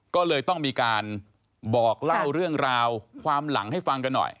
ก็เลยต้องมีการบอกเล่าเรื่องราวความหลังให้ฟังกันหน่อย